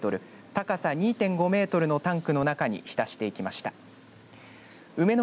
高さ２．５メートルのタンクの中に浸していきました。